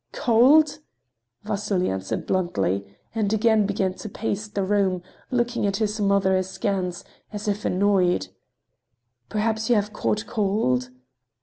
"Cold!" Vasily answered bluntly, and again began to pace the room, looking at his mother askance, as if annoyed. "Perhaps you have caught cold?"